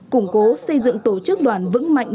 củng cố xây dựng tổ chức đoàn vững mạnh